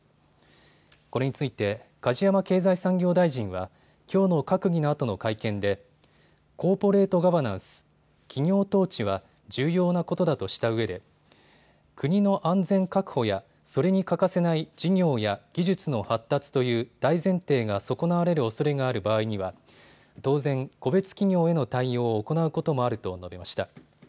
これについて梶山経済産業大臣はきょうの閣議のあとの会見でコーポレートガバナンス・企業統治は重要なことだとしたうえで国の安全確保やそれに欠かせない事業や技術の発達という大前提が損なわれるおそれがある場合には当然、個別企業への対応を行うこともあると述べました。